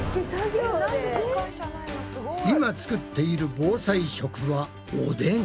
今作っている防災食はおでん。